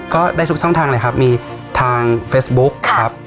ได้ทุกช่องทางเลยครับมีทางเฟซบุ๊คครับ